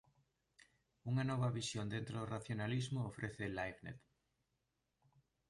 Unha nova visión dentro do racionalismo ofrece Leibniz.